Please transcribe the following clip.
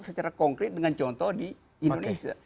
secara konkret dengan contoh di indonesia